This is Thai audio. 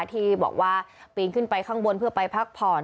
ที่บอกว่าปีนขึ้นไปข้างบนเพื่อไปพักผ่อน